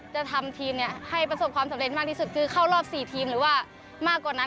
จะทำทีมเนี่ยให้ประสบความสำเร็จมากที่สุดคือเข้ารอบ๔ทีมหรือว่ามากกว่านั้น